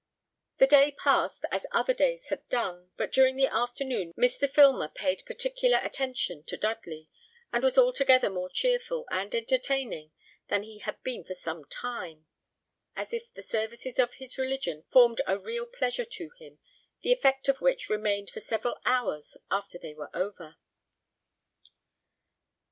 The day passed as other days had done; but during the afternoon Mr. Filmer paid particular attention to Dudley, and was altogether more cheerful and entertaining than he had been for some time, as if the services of his religion formed a real pleasure to him, the effect of which remained for several hours after they were over.